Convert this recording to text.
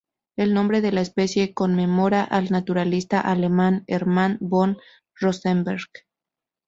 El nombre de la especie conmemora al naturalista alemán Hermann von Rosenberg.